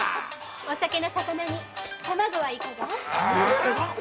お酒のサカナに卵はいかが？